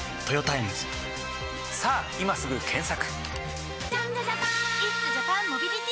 さぁ今すぐ検索！